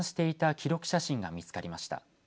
記録写真が見つかりました。